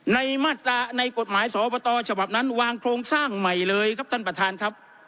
มาตราในกฎหมายสอบตฉบับนั้นวางโครงสร้างใหม่เลยครับท่านประธานครับ